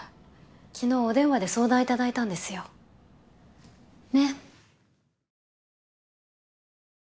昨日お電話で相談いただいたんですよ。ね？